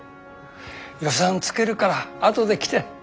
予算つけるから後で来て。